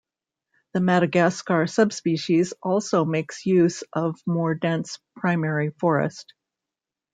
The Madagascar subspecies also makes use of more dense primary forest.